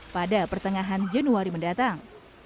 pada pertengahan januari mendatang